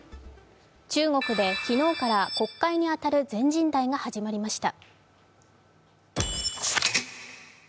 中国で昨日から国会に当たる全人代が始まりました。